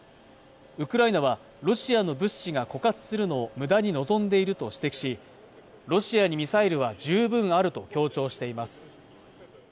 ウクライナはロシアの物資が枯渇するのを無駄に望んでいると指摘しロシアにミサイルは充分あると強調しています